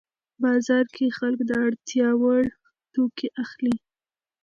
بازار کې خلک د اړتیا وړ توکي اخلي